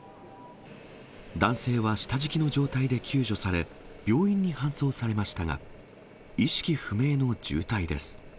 男性は下敷きの状態で救助され、病院に搬送されましたが、意識不明の重体です。